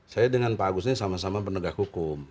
saya dengan pak agus ini sama sama penegak hukum